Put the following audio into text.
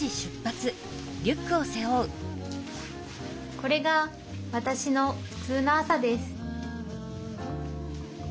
これが私のふつうの朝です